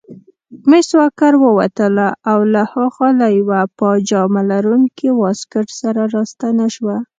مس واکر ووتله او له هاخوا له یوه پاجامه لرونکي واسکټ سره راستنه شوه.